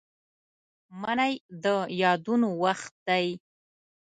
منی د یادونو وخت دی